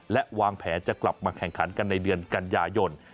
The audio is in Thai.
และวางแผนจะกลับมาแข่งขันกันในเดือนกันยายน